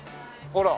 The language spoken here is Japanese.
ほら。